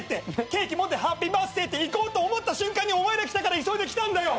ケーキ持って「ハッピーバースデー」って行こうと思った瞬間にお前ら来たから急いで来たんだよ！